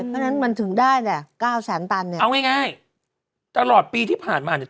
เพราะฉะนั้นมันถึงได้แต่เก้าแสนตันเนี่ยเอาง่ายง่ายตลอดปีที่ผ่านมาเนี่ย